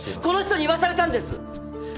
この人に言わされたんです！